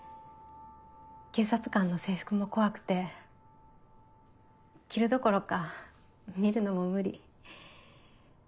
警察官の制服も怖くて着るどころか見るのも無理。